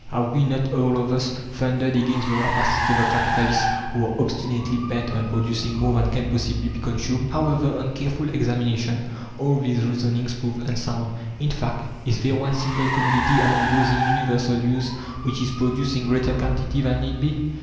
Have we not, all of us, thundered against the rapacity of the capitalists who are obstinately bent on producing more than can possibly be consumed! However, on careful examination all these reasonings prove unsound. In fact, Is there one single commodity among those in universal use which is produced in greater quantity than need be.